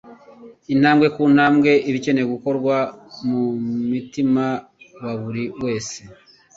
intambwe ku ntambwe, ibikenewe gukorwa mu mutima wa buri wese